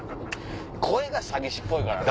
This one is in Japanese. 声が詐欺師っぽいからな。